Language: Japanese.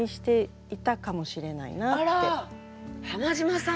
浜島さん！